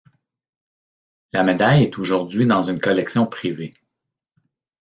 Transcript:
La médaille est aujourd'hui dans une collection privée.